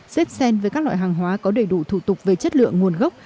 xếp sen với các loại hàng hóa có đầy đủ thủ tục về chất lượng nguồn gốc